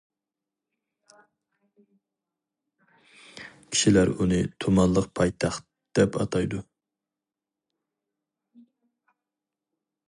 كىشىلەر ئۇنى «تۇمانلىق پايتەخت» دەپ ئاتايدۇ.